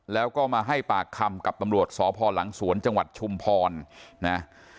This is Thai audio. แล้วก็มาให้ปากคำกับตำรวจสพหลังสวนจังหวัดชุมพรนะ